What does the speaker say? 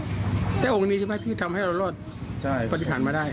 องค์นี้ใช่ไหมที่ทำให้เรารอดปฏิหารมาได้